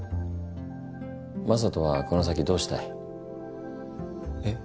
眞人はこの先どうしたい？えっ？